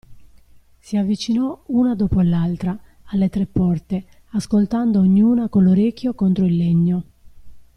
Si avvicinò, una dopo l'altra, alle tre porte, ascoltando a ognuna con l'orecchio contro il legno.